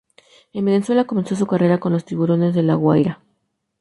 En Venezuela comenzó su carrera con los Tiburones de La Guaira.